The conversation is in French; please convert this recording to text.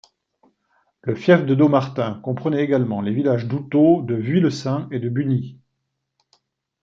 Le fief de Dommartin comprenait également les villages d'Houtaud, de Vuillecin et de Bugny.